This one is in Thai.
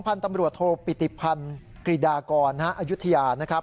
พันธุ์ตำรวจโทรปิติพันธุ์กริดากรณะอายุทยา